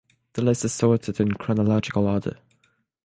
The list is sorted in chronological order.